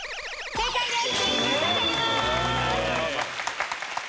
正解です！